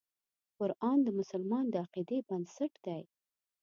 قرآن د مسلمان د عقیدې بنسټ دی.